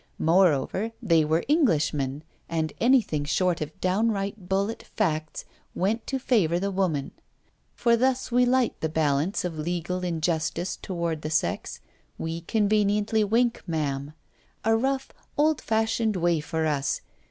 Moreover, they were Englishmen, and anything short of downright bullet facts went to favour the woman. For thus we light the balance of legal injustice toward the sex: we conveniently wink, ma'am. A rough, old fashioned way for us!